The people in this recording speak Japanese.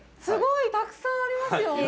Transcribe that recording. すごいたくさんありますよ